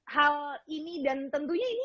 hal ini dan tentunya ini